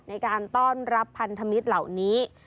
ในการต้อนรับพันธมิตรเหล่านี้